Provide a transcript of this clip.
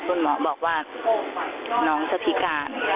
คุณหมอบอกว่าน้องจะพิการ